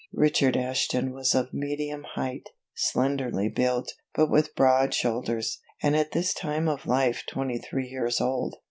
Richard Ashton was of medium height, slenderly built, but with broad shoulders, and at this time of life twenty three years old.